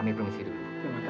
disini dulu ya